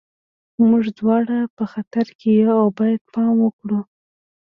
موږ دواړه په خطر کې یو او باید پام وکړو